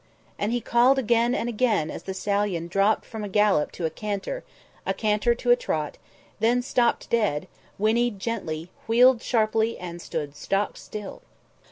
And he called again and again as the stallion dropped from a gallop to a canter, a canter to a trot, then stopped dead; whinnied gently; wheeled sharply and stood stock still.